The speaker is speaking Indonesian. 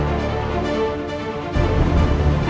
aku mau ke sana